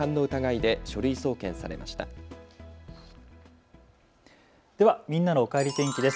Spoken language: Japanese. ではみんなのおかえり天気です。